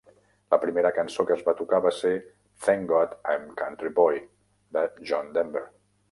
La primera cançó que es va tocar va ser "Thank God I'm a Country Boy" de John Denver.